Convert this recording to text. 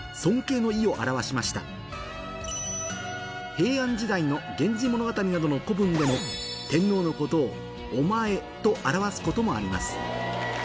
平安時代の『源氏物語』などの古文でもと表すこともあります